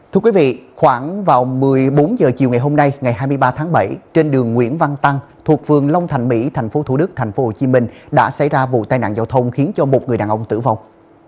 thưa quý vị khoảng vào một mươi bốn h chiều ngày hôm nay ngày hai mươi ba tháng bảy trên đường nguyễn văn tăng thuộc vườn long thành mỹ thành phố thủ đức thành phố hồ chí minh đã xảy ra vụ tai nạn giao thông khiến một người đàn ông tử vong